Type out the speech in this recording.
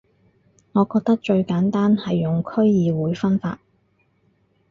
我覺得最簡單係用區議會分法